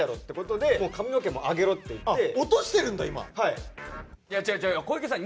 いや違う違う小池さん